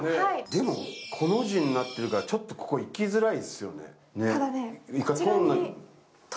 でも、コの字になってるからちょっとここ行きづらいですよね。